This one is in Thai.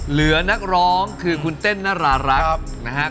นักร้องคือคุณเต้นน่ารักนะครับ